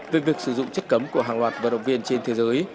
về việc sử dụng chất cấm của hàng loạt vận động viên trên thế giới